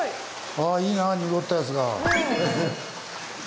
あぁいいな濁ったやつが。